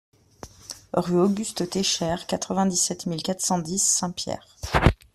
Rue Auguste Técher, quatre-vingt-dix-sept mille quatre cent dix Saint-Pierre